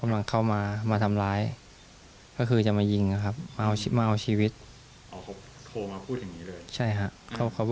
ขอบคุณครับคือการบอกว่าตายเมื่อกายโทรเข้ามาเพื่อกางเวลาบ่าง